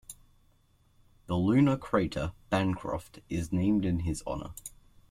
The lunar crater Bancroft is named in his honor.